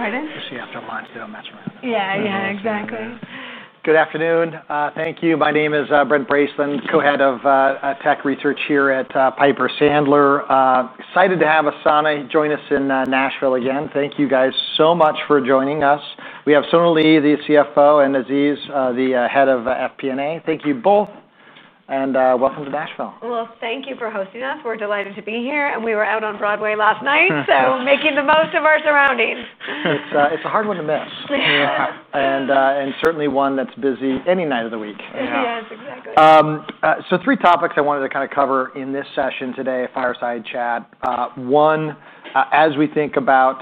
Pardon? You say after lunch, they don't mess around. Yeah, exactly. Good afternoon. Thank you. My name is Brent Bracelin, Co-Head of Tech Research here at Piper Sandler. Excited to have Asana join us in Nashville again. Thank you guys so much for joining us. We have Sonalee, the CFO, and Aziz, the Head of FP&A. Thank you both and welcome to Nashville. Thank you for hosting us. We're delighted to be here. We were out on Broadway last night, making the most of our surroundings. It's a hard one to miss. Yeah. Certainly one that's busy any night of the week. It is exactly. Three topics I wanted to kind of cover in this session today, fireside chat. One, as we think about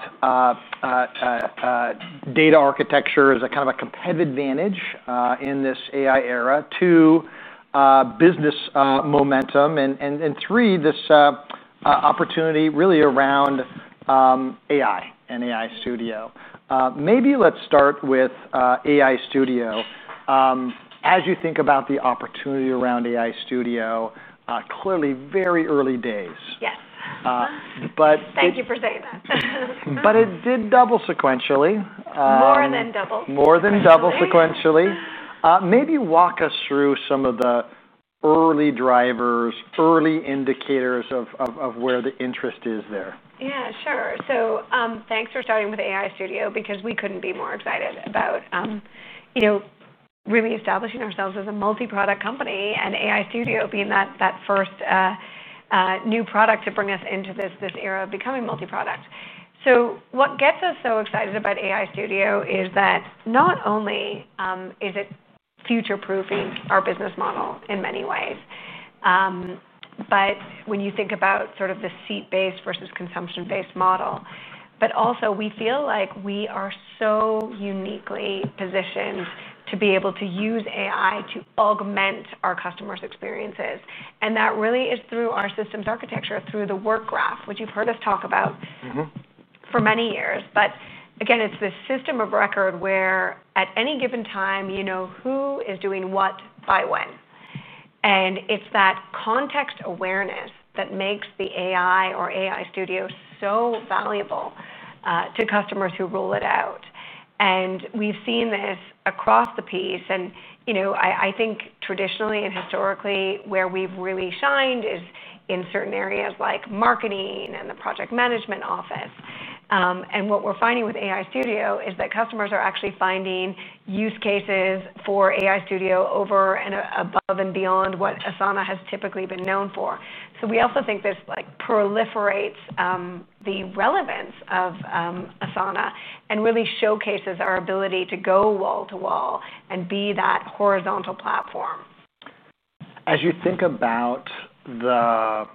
data architecture as a kind of a competitive advantage in this AI era. Two, business momentum. Three, this opportunity really around AI and Asana AI Studio. Maybe let's start with Asana AI Studio. As you think about the opportunity around Asana AI Studio, clearly very early days. Yes. But. Thank you for saying that. It did double sequentially. More than double. More than double sequentially. Maybe walk us through some of the early drivers, early indicators of where the interest is there. Yeah, sure. Thanks for starting with Asana AI Studio because we couldn't be more excited about really establishing ourselves as a multi-product company and Asana AI Studio being that first new product to bring us into this era of becoming multi-product. What gets us so excited about Asana AI Studio is that not only is it future-proofing our business model in many ways, when you think about the seat-based versus consumption-based model, we also feel like we are so uniquely positioned to be able to use AI to augment our customers' experiences. That really is through our systems architecture, through the Work Graph, which you've heard us talk about for many years. It's this system of record where at any given time, you know who is doing what by when. It's that context awareness that makes the AI or Asana AI Studio so valuable to customers who roll it out. We've seen this across the piece. I think traditionally and historically, where we've really shined is in certain areas like marketing and the project management office. What we're finding with Asana AI Studio is that customers are actually finding use cases for Asana AI Studio over and above and beyond what Asana has typically been known for. We also think this proliferates the relevance of Asana and really showcases our ability to go wall to wall and be that horizontal platform. As you think about the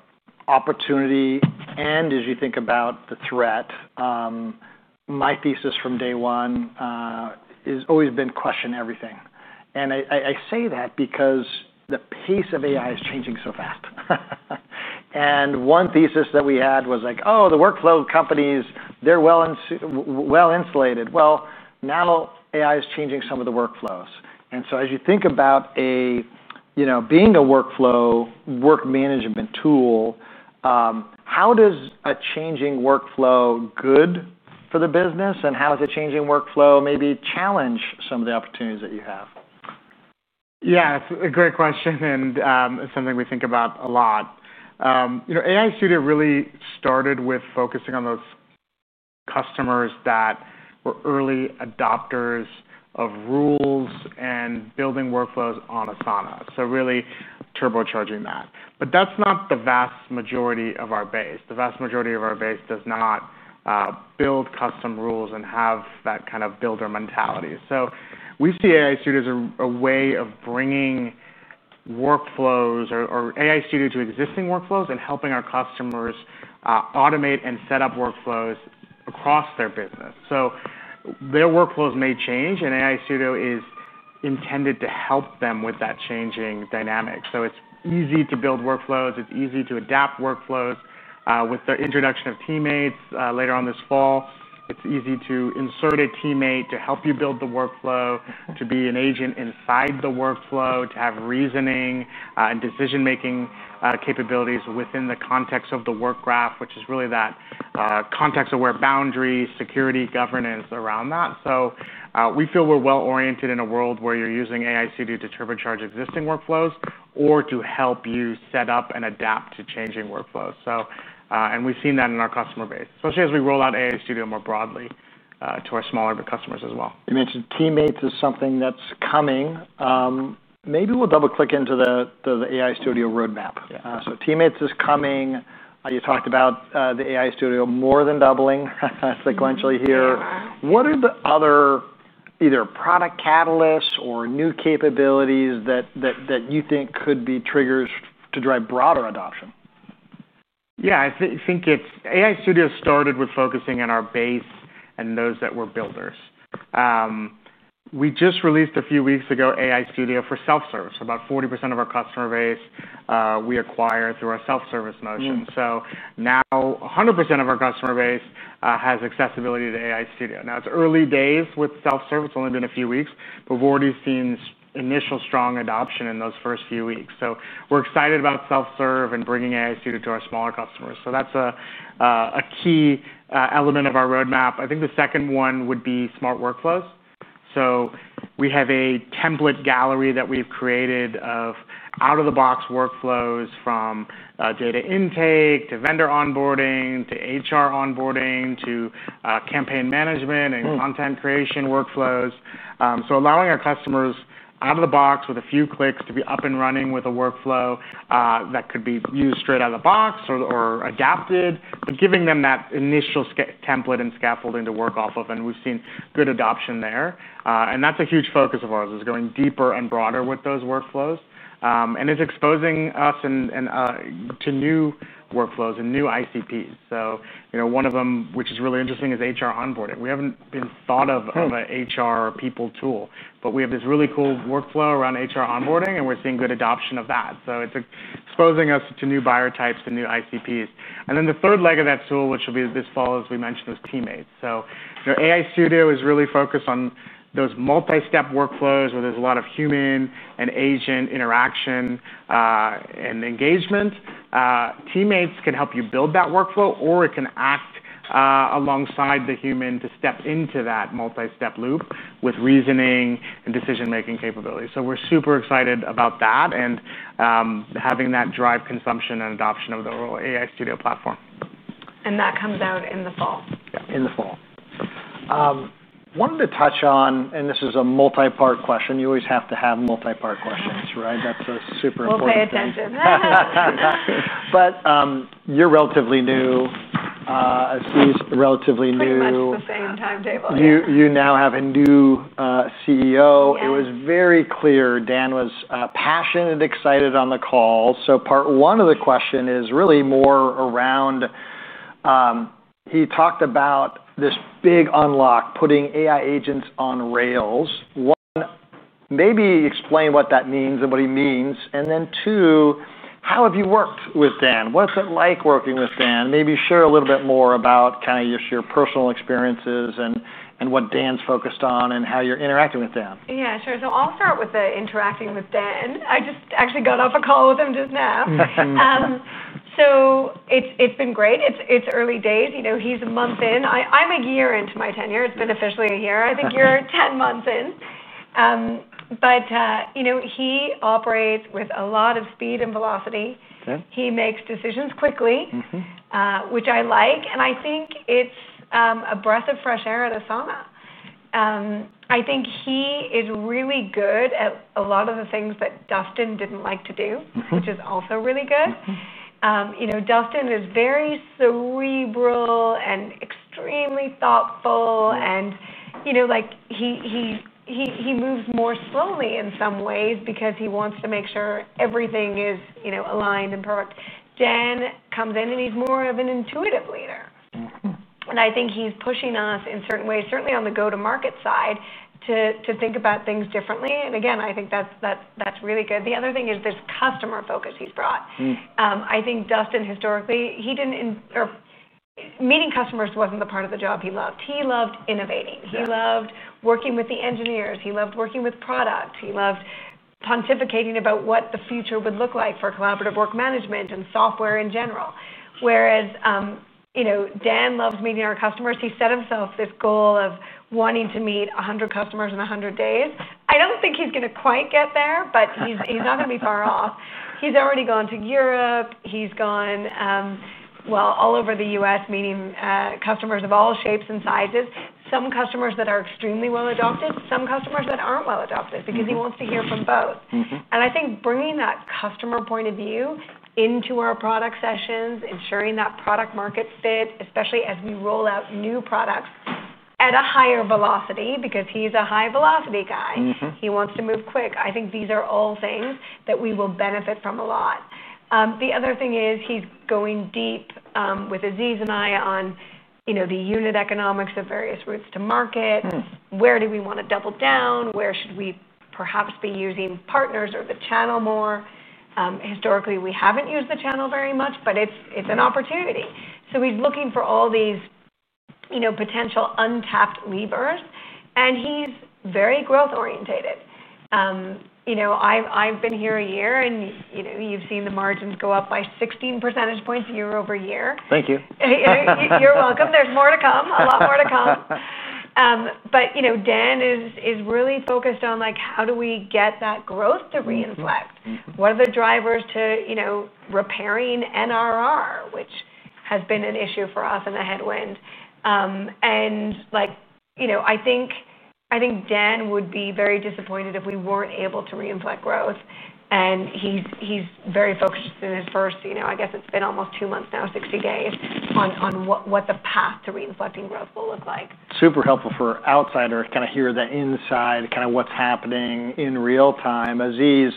opportunity and as you think about the threat, my thesis from day one has always been question everything. I say that because the pace of AI is changing so fast. One thesis that we had was like, oh, the workflow companies, they're well insulated. Now AI is changing some of the workflows. As you think about being a workflow work management tool, how does a changing workflow good for the business and how does a changing workflow maybe challenge some of the opportunities that you have? It's a great question and it's something we think about a lot. AI Studio really started with focusing on those customers that were early adopters of rules and building workflows on Asana, really turbocharging that. That's not the vast majority of our base. The vast majority of our base does not build custom rules and have that kind of builder mentality. We see AI Studio as a way of bringing workflows or AI Studio to existing workflows and helping our customers automate and set up workflows across their business. Their workflows may change and AI Studio is intended to help them with that changing dynamic. It's easy to build workflows. It's easy to adapt workflows. With the introduction of teammates later on this fall, it's easy to insert a teammate to help you build the workflow, to be an agent inside the workflow, to have reasoning and decision-making capabilities within the context of the Work Graph, which is really that context of where boundaries, security, governance around that. We feel we're well oriented in a world where you're using AI Studio to turbocharge existing workflows or to help you set up and adapt to changing workflows. We've seen that in our customer base, especially as we roll out AI Studio more broadly to our smaller customers as well. You mentioned teammates as something that's coming. Maybe we'll double click into the AI Studio roadmap. Teammates is coming. You talked about the AI Studio more than doubling sequentially here. What are the other either product catalysts or new capabilities that you think could be triggers to drive broader adoption? I think it's AI Studio started with focusing on our base and those that were builders. We just released a few weeks ago AI Studio for self-service. About 40% of our customer base we acquired through our self-service motion. Now 100% of our customer base has accessibility to AI Studio. Now it's early days with self-serve. It's only been a few weeks, but we've already seen initial strong adoption in those first few weeks. We're excited about self-serve and bringing Asana AI Studio to our smaller customers. That's a key element of our roadmap. I think the second one would be smart workflows. We have a template gallery that we've created of out-of-the-box workflows from data intake to vendor onboarding to HR onboarding to campaign management and content creation workflows. Allowing our customers out of the box with a few clicks to be up and running with a workflow that could be used straight out of the box or adapted, but giving them that initial template and scaffolding to work off of. We've seen good adoption there. That's a huge focus of ours, going deeper and broader with those workflows. It's exposing us to new workflows and new ICPs. One of them, which is really interesting, is HR onboarding. We haven't been thought of as an HR or people tool, but we have this really cool workflow around HR onboarding and we're seeing good adoption of that. It's exposing us to new buyer types, the new ICPs. The third leg of that tool, which will be this fall, as we mentioned, is teammates. Asana AI Studio is really focused on those multi-step workflows where there's a lot of human and agent interaction and engagement. Teammates can help you build that workflow or it can act alongside the human to step into that multi-step loop with reasoning and decision-making capabilities. We're super excited about that and having that drive consumption and adoption of the Asana AI Studio platform. That comes out in the fall. In the fall, wanted to touch on, and this is a multi-part question. You always have to have multi-part questions, right? That's super important. We'll pay attention. You're relatively new. Aziz, relatively new. That's the same time tape. You now have a new CEO. It was very clear Dan was passionate and excited on the call. Part one of the question is really more around he talked about this big unlock, putting AI agents on rails. One, maybe explain what that means and what he means. Two, how have you worked with Dan? What's it like working with Dan? Maybe share a little bit more about kind of your personal experiences and what Dan's focused on and how you're interacting with Dan. Yeah, sure. I'll start with the interacting with Dan. I just actually got off a call with him just now. It's been great. It's early days. He's a month in. I'm a year into my tenure. It's been officially a year. I think you're 10 months in. He operates with a lot of speed and velocity. He makes decisions quickly, which I like. I think it's a breath of fresh air at Asana. I think he is really good at a lot of the things that Dustin didn't like to do, which is also really good. Dustin is very cerebral and extremely thoughtful. He moves more slowly in some ways because he wants to make sure everything is aligned and perfect. Dan comes in and he's more of an intuitive leader. I think he's pushing us in certain ways, certainly on the go-to-market side, to think about things differently. I think that's really good. The other thing is this customer focus he's brought. I think Dustin historically, meeting customers wasn't the part of the job he loved. He loved innovating. He loved working with the engineers. He loved working with product. He loved pontificating about what the future would look like for Collaborative Work Management and software in general. Dan loves meeting our customers. He set himself this goal of wanting to meet 100 customers in 100 days. I don't think he's going to quite get there, but he's not going to be far off. He's already gone to Europe. He's gone all over the U.S., meeting customers of all shapes and sizes. Some customers that are extremely well adopted, some customers that aren't well adopted because he wants to hear from both. I think bringing that customer point of view into our product sessions, ensuring that product-market fit, especially as we roll out new products at a higher velocity because he's a high-velocity guy. He wants to move quick. I think these are all things that we will benefit from a lot. The other thing is he's going deep with Aziz and I on the unit economics of various routes to market. Where do we want to double down? Where should we perhaps be using partners or the channel more? Historically, we haven't used the channel very much, but it's an opportunity. He's looking for all these potential untapped levers. He's very growth-oriented. I've been here a year and you've seen the margins go up by 16% year over year. Thank you. You're welcome. There's more to come, a lot more to come. Dan is really focused on, like, how do we get that growth to reinflect? What are the drivers to repairing NRR, which has been an issue for us in the headwind? I think Dan would be very disappointed if we weren't able to reinflect growth. He's very focused in his first, I guess it's been almost two months now, 60 days, on what the path to reinflecting growth will look like. Super helpful for outsiders to kind of hear that inside, kind of what's happening in real time. Aziz,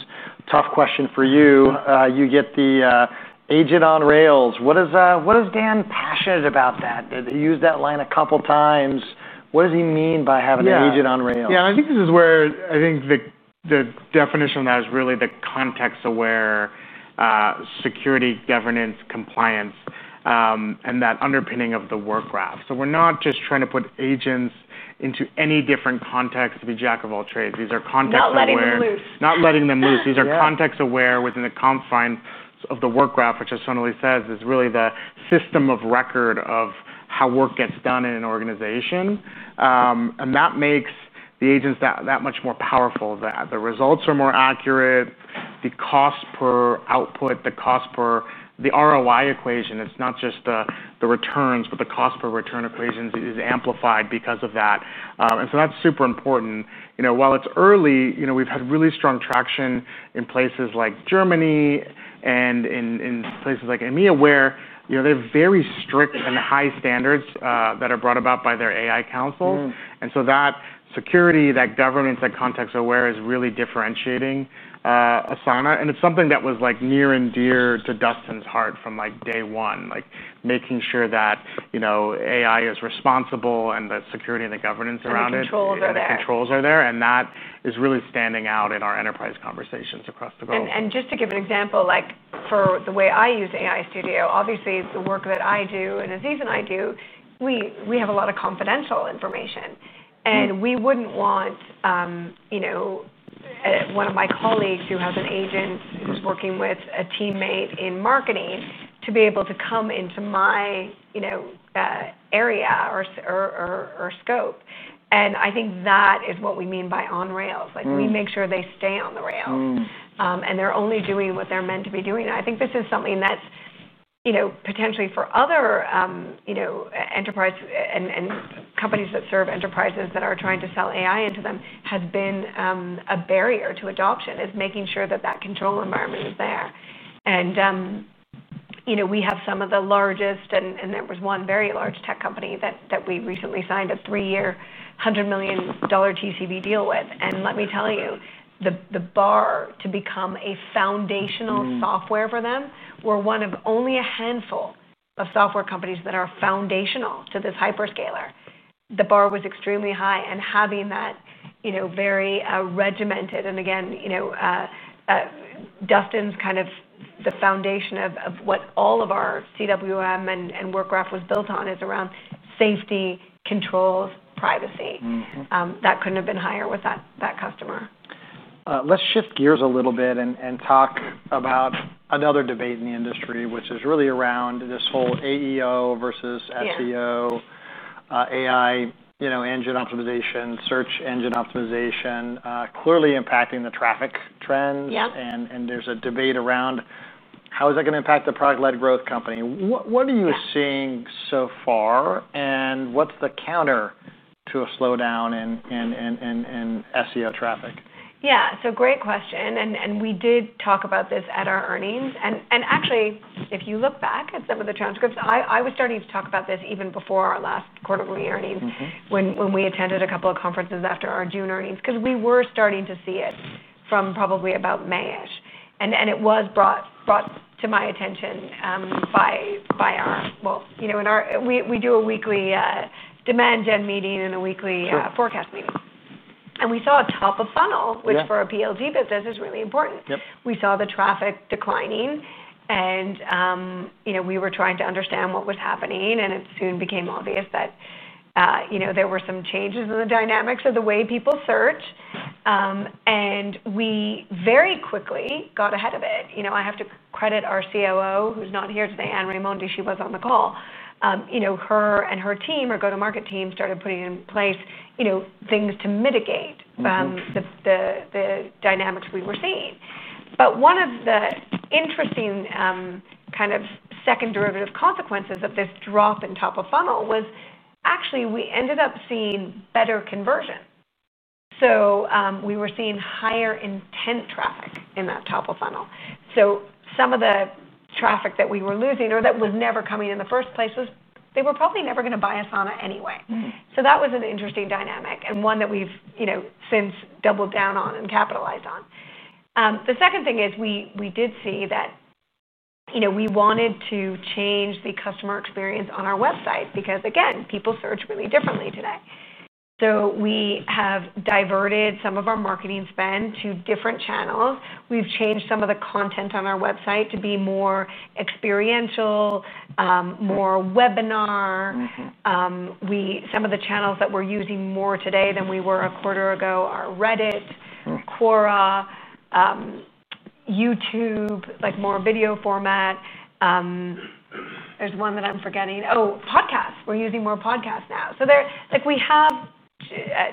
tough question for you. You get the agent on rails. What is Dan passionate about that? He used that line a couple of times. What does he mean by having an agent on rails? Yeah. I think this is where I think the definition of that is really the context of where security, governance, compliance, and that underpinning of the Work Graph. We're not just trying to put agents into any different context. It'd be jack of all trades. These are contexts that we're. Not letting them loose. Not letting them loose. These are context aware within the confines of the Work Graph, which as Sonalee says, is really the system of record of how work gets done in an organization. That makes the agents that much more powerful. The results are more accurate. The cost per output, the cost per the ROI equation, it's not just the returns, but the cost per return equation is amplified because of that. That's super important. While it's early, we've had really strong traction in places like Germany and in places like EMEA where they have very strict and high standards that are brought about by their AI councils. That security, that governance, that context aware is really differentiating Asana. It's something that was near and dear to Dustin's heart from day one, making sure that AI is responsible and the security and the governance around it. The controls are there. The controls are there, and that is really standing out in our enterprise conversations across the globe. To give an example, for the way I use Asana AI Studio, obviously the work that I do and Aziz and I do, we have a lot of confidential information. We wouldn't want one of my colleagues who has an AI agent who's working with a teammate in marketing to be able to come into my area or scope. That is what we mean by on rails. We make sure they stay on the rails, and they're only doing what they're meant to be doing. This is something that's potentially for other enterprise and companies that serve enterprises that are trying to sell AI into them, has been a barrier to adoption, making sure that that control environment is there. We have some of the largest, and there was one very large tech company that we recently signed a three-year $100 million TCB deal with. Let me tell you, the bar to become a foundational software for them, we're one of only a handful of software companies that are foundational to this hyperscaler. The bar was extremely high. Having that very regimented, and again, Dustin's kind of the foundation of what all of our Collaborative Work Management and Work Graph was built on is around safety, controls, privacy. That couldn't have been higher with that customer. Let's shift gears a little bit and talk about another debate in the industry, which is really around this whole AEO versus SEO, AI, you know, engine optimization, search engine optimization, clearly impacting the traffic trends. There's a debate around how is that going to impact the product-led growth company. What are you seeing so far, and what's the counter to a slowdown in SEO traffic? Yeah, great question. We did talk about this at our earnings. Actually, if you look back at some of the transcripts, I was starting to talk about this even before our last quarterly earnings when we attended a couple of conferences after our June earnings, because we were starting to see it from probably about May. It was brought to my attention by our, you know, we do a weekly demand gen meeting and a weekly forecast meeting. We saw a top of funnel, which for a PLG business is really important. We saw the traffic declining. We were trying to understand what was happening. It soon became obvious that there were some changes in the dynamics of the way people search. We very quickly got ahead of it. I have to credit our COO, who's not here today, Anne Raimondi, she was on the call. Her and her team, her go-to-market team, started putting in place things to mitigate the dynamics we were seeing. One of the interesting kind of second derivative consequences of this drop in top of funnel was actually we ended up seeing better conversion. We were seeing higher intent traffic in that top of funnel. Some of the traffic that we were losing or that was never coming in the first place was they were probably never going to buy Asana anyway. That was an interesting dynamic and one that we've since doubled down on and capitalized on. The second thing is we did see that we wanted to change the customer experience on our website because, again, people search really differently today. We have diverted some of our marketing spend to different channels. We've changed some of the content on our website to be more experiential, more webinar. Some of the channels that we're using more today than we were a quarter ago are Reddit, Quora, YouTube, like more video format. There's one that I'm forgetting. Oh, podcasts. We're using more podcasts now. We have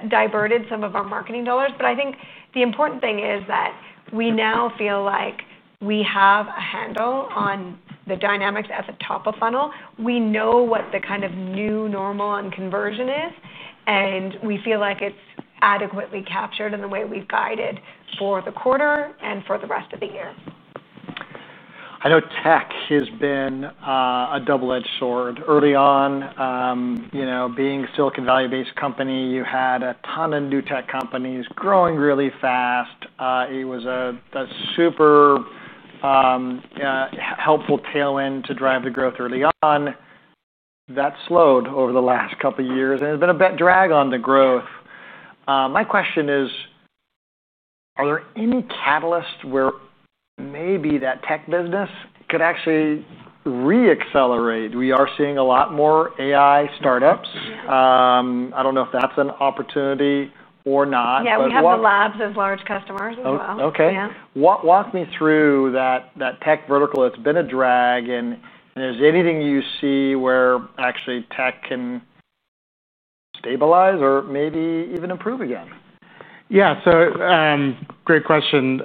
diverted some of our marketing dollars, but I think the important thing is that we now feel like we have a handle on the dynamics at the top of funnel. We know what the kind of new normal on conversion is. We feel like it's adequately captured in the way we've guided for the quarter and for the rest of the year. I know tech has been a double-edged sword. Early on, being a Silicon Valley-based company, you had a ton of new tech companies growing really fast. It was a super helpful tailwind to drive the growth early on. That slowed over the last couple of years and has been a bit of a drag on the growth. My question is, are there any catalysts where maybe that tech business could actually re-accelerate? We are seeing a lot more AI startups. I don't know if that's an opportunity or not. Yeah, we have the labs of large customers as well. Okay. Walk me through that tech vertical that's been a drag. Is there anything you see where actually tech can stabilize or maybe even improve again? Yeah, great question.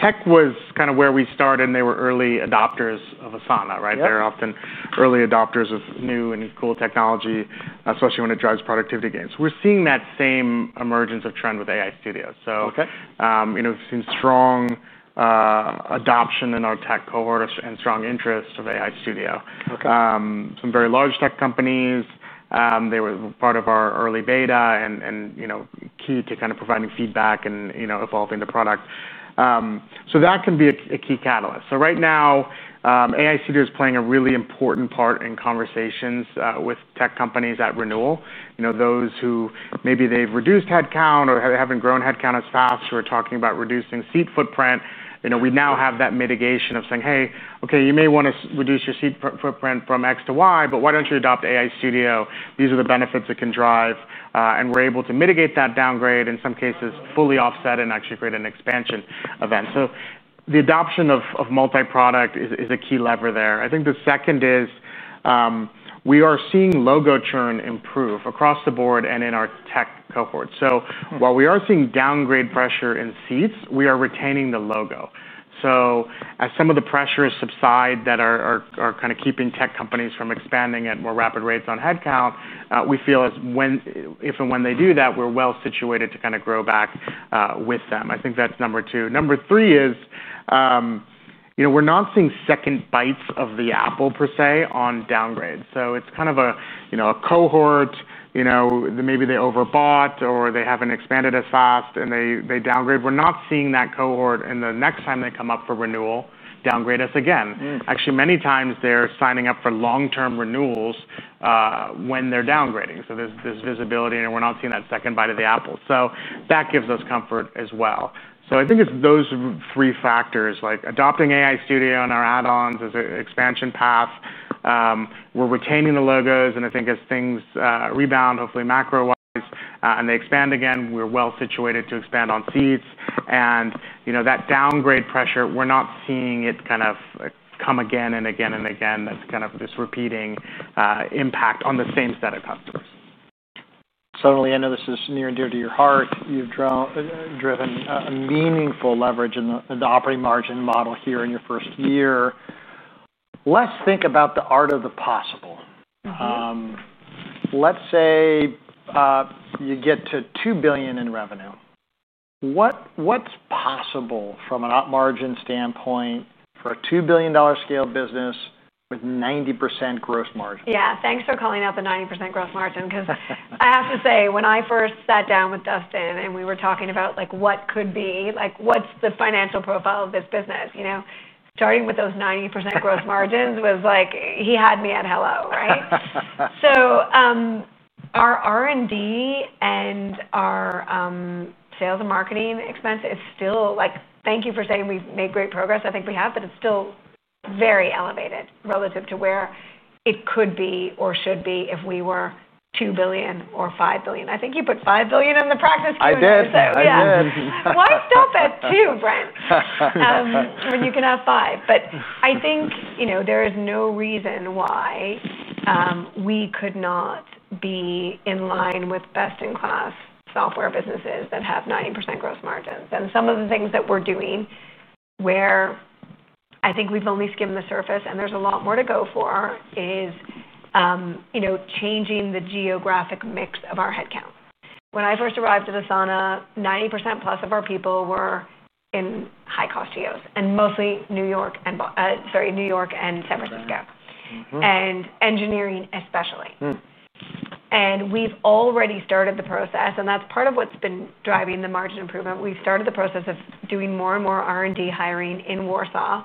Tech was kind of where we started and they were early adopters of Asana, right? They're often early adopters of new and cool technology, especially when it drives productivity gains. We're seeing that same emergence of trend with Asana AI Studio. We've seen strong adoption in our tech cohort and strong interest of Asana AI Studio. Some very large tech companies were part of our early beta and key to providing feedback and evolving the product. That can be a key catalyst. Right now, Asana AI Studio is playing a really important part in conversations with tech companies at renewal. Those who maybe they've reduced headcount or haven't grown headcount as fast, we're talking about reducing seat footprint. We now have that mitigation of saying, hey, okay, you may want to reduce your seat footprint from X to Y, but why don't you adopt Asana AI Studio? These are the benefits that can drive, and we're able to mitigate that downgrade, in some cases fully offset and actually create an expansion event. The adoption of multi-product is a key lever there. I think the second is we are seeing logo churn improve across the board and in our tech cohort. While we are seeing downgrade pressure in seats, we are retaining the logo. As some of the pressures subside that are keeping tech companies from expanding at more rapid rates on headcount, we feel that if and when they do that, we're well situated to grow back with them. I think that's number two. Number three is we're not seeing second bites of the apple per se on downgrade. It's kind of a cohort, maybe they overbought or they haven't expanded as fast and they downgrade. We're not seeing that cohort, and the next time they come up for renewal, downgrade us again. Many times they're signing up for long-term renewals when they're downgrading. There's visibility, and we're not seeing that second bite of the apple. That gives us comfort as well. I think it's those three factors: adopting Asana AI Studio and our add-ons as an expansion path, we're retaining the logos, and as things rebound, hopefully macro-wise, and they expand again, we're well situated to expand on seats. That downgrade pressure, we're not seeing it come again and again and again. That's this repeating impact on the same set of customers. Totally. I know this is near and dear to your heart. You've driven a meaningful leverage in the operating margin model here in your first year. Let's think about the art of the possible. Let's say you get to $2 billion in revenue. What's possible from an operating margin standpoint for a $2 billion scale business with 90% gross margin? Yeah, thanks for calling up a 90% gross margin because I have to say when I first sat down with Dustin and we were talking about like what could be, like what's the financial profile of this business, you know, starting with those 90% gross margins was like he had me at hello, right? Our R&D and our sales and marketing expense is still like, thank you for saying we've made great progress. I think we have, but it's still very elevated relative to where it could be or should be if we were $2 billion or $5 billion. I think you put $5 billion in the practice question. I did. Why stop at $2, Brent? When you can have $5. I think, you know, there is no reason why we could not be in line with best-in-class software businesses that have 90% growth margins. Some of the things that we're doing where I think we've only skimmed the surface and there's a lot more to go for is, you know, changing the geographic mix of our headcount. When I first arrived at Asana, 90%+ of our people were in high-cost cities and mostly New York and San Francisco, and engineering especially. We've already started the process, and that's part of what's been driving the margin improvement. We've started the process of doing more and more R&D hiring in Warsaw.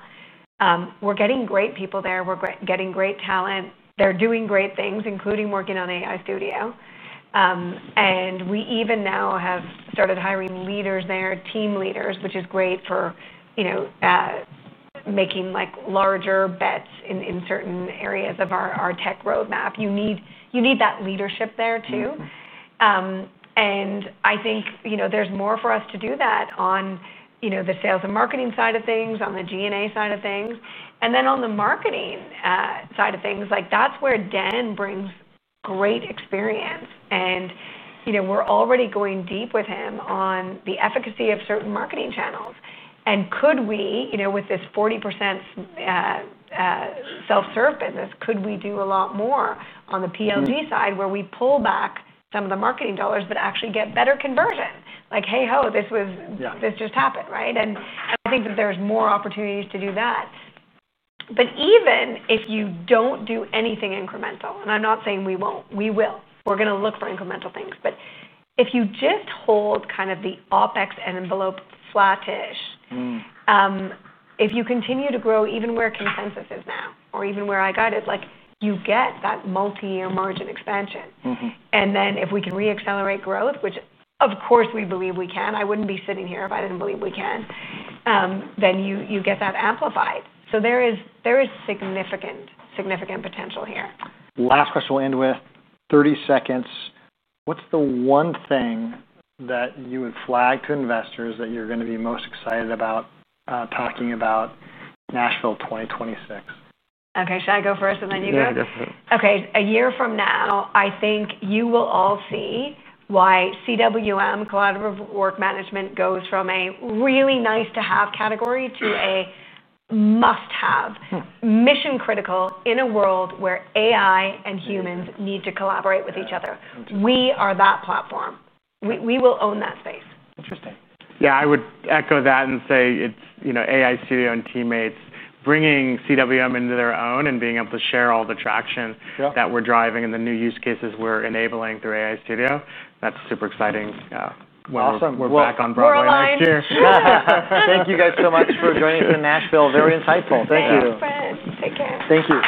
We're getting great people there. We're getting great talent. They're doing great things, including working on Asana AI Studio. We even now have started hiring leaders there, team leaders, which is great for, you know, making larger bets in certain areas of our tech roadmap. You need that leadership there too. I think, you know, there's more for us to do that on, you know, the sales and marketing side of things, on the G&A side of things, and then on the marketing side of things. That's where Dan brings great experience. We're already going deep with him on the efficacy of certain marketing channels. Could we, you know, with this 40% self-serve business, do a lot more on the PLG side where we pull back some of the marketing dollars, but actually get better conversion? Like, hey, ho, this just happened, right? I think that there's more opportunities to do that. Even if you don't do anything incremental, and I'm not saying we won't, we will. We're going to look for incremental things. If you just hold kind of the OpEx envelope flattish, if you continue to grow even where consensus is now, or even where I guided, you get that multi-year margin expansion. If we can re-accelerate growth, which of course we believe we can, I wouldn't be sitting here if I didn't believe we can, you get that amplified. There is significant, significant potential here. Last question, we'll end with 30 seconds. What's the one thing that you would flag to investors that you're going to be most excited about talking about Nashville 2026? Okay, should I go first and then you go? Yeah, go for it. Okay, a year from now, I think you will all see why CWM, Collaborative Work Management, goes from a really nice-to-have category to a must-have, mission-critical in a world where AI and humans need to collaborate with each other. We are that platform. We will own that space. Interesting. Yeah, I would echo that and say it's, you know, Asana AI Studio and AI Teammates bringing Collaborative Work Management into their own and being able to share all the traction that we're driving and the new use cases we're enabling through Asana AI Studio. That's super exciting. Awesome. We're back on Broadway next year. Thank you guys so much for joining us in Nashville. Very insightful. Thank you. Take care. Thank you.